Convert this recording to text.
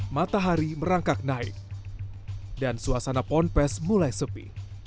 matahari merangkak naik dan suasana pond pes mulai sepi